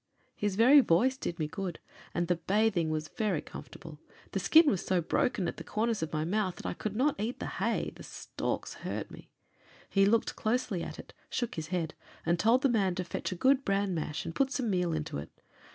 His very voice did me good, and the bathing was very comfortable. The skin was so broken at the corners of my mouth that I could not eat the hay, the stalks hurt me. He looked closely at it, shook his head, and told the man to fetch a good bran mash and put some meal into it.